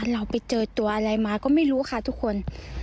เราไปเจอตัวอะไรมาก็ไม่รู้ค่ะทุกคน